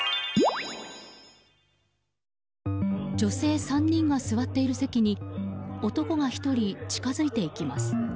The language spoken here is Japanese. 女性３人が座っている席に男が１人、近づいていきます。